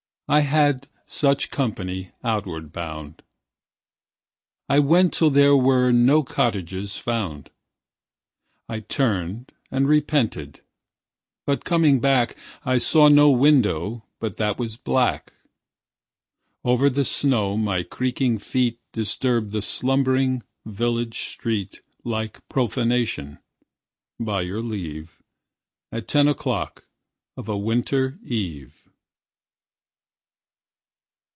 I had such company outward bound. I went till there were no cottages found. I turned and repented, but coming back I saw no window but that was black. Over the snow my creaking feet Disturbed the slumbering village street Like profanation, by your leave, At ten o'clock of a winter eve.